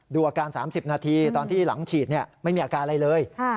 อาการ๓๐นาทีตอนที่หลังฉีดไม่มีอาการอะไรเลย